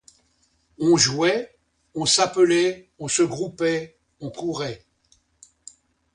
On jouait, on s'appelait, on se groupait, on courait.